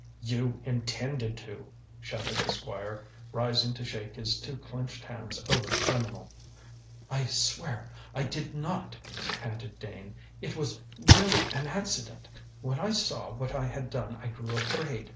"You intended to!" shouted the Squire, rising to shake his two clenched hands over the criminal. "I swear I did not," panted Dane; "it was really an accident. When I saw what I had done I grew afraid.